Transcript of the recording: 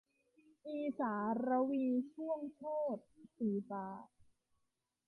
อีสา-รวีช่วงโชติ - สีฟ้า